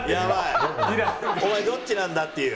「お前どっちなんだ？」っていう。